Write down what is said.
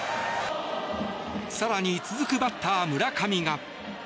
更に続くバッター、村上が。